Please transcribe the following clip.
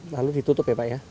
lalu ditutup ya pak ya